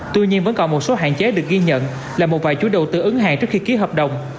tuy nhiên vẫn còn một số hạn chế được ghi nhận là một vài chú đầu tư ứng hàng trước khi ký hợp đồng